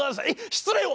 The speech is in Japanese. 失礼を！